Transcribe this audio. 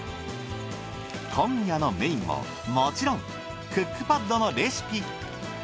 今夜のメインももちろんクックパッドのレシピ。